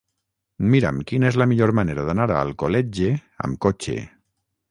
Mira'm quina és la millor manera d'anar a Alcoletge amb cotxe.